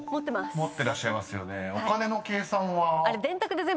［持ってらっしゃいますよね］